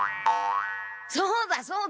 そうだそうだ！